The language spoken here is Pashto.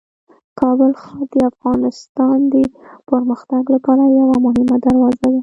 کابل ښار د افغانستان د پرمختګ لپاره یوه مهمه دروازه ده.